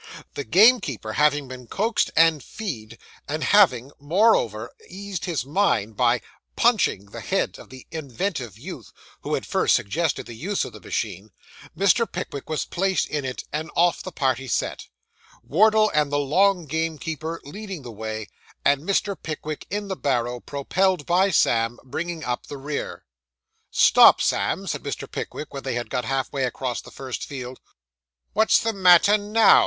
The gamekeeper having been coaxed and feed, and having, moreover, eased his mind by 'punching' the head of the inventive youth who had first suggested the use of the machine, Mr. Pickwick was placed in it, and off the party set; Wardle and the long gamekeeper leading the way, and Mr. Pickwick in the barrow, propelled by Sam, bringing up the rear. 'Stop, Sam,' said Mr. Pickwick, when they had got half across the first field. 'What's the matter now?